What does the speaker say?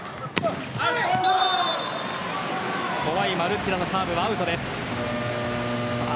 怖いマルッティラのサーブはアウトです。